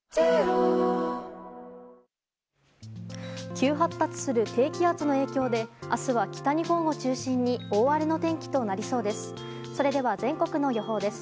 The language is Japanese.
急発達する低気圧の影響で明日は北日本を中心に大荒れの天気となりそうです。